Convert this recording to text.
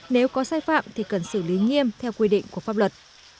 nếu có sai phạm thì cần xử lý nghiêm theo quy định của pháp luật